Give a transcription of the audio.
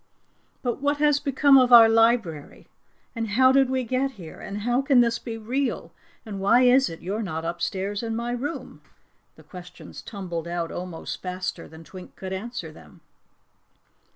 "But what has become of our library, and how did we get here, and how can this be real, and why is it you're not upstairs in my room?" The questions tumbled out almost faster than Twink could ask them.